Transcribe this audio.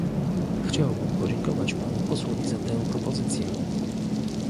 Chciałbym podziękować panu posłowi za tę propozycję